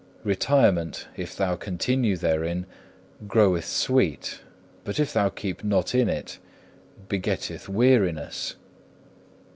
Retirement, if thou continue therein, groweth sweet, but if thou keep not in it, begetteth weariness.